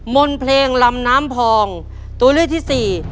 มนต์เพลงลำน้ำพองตัวเลือกที่สี่